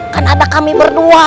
kan ada kami berdua